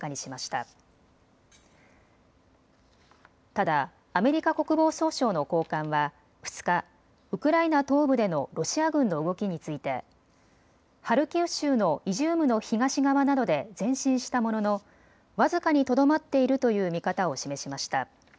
ただアメリカ国防総省の高官は２日、ウクライナ東部でのロシア軍の動きについてハルキウ州のイジュームの東側などで前進したものの僅かにとどまっているという見方を示しました。